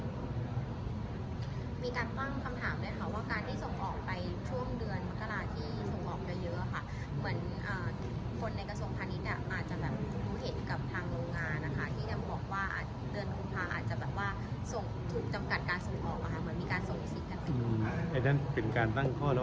มีการปั้งคำถามด้วยค่ะ